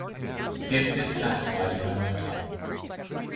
He appeared satisfied, and I went on.